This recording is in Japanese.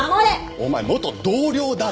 お前元同僚だろ！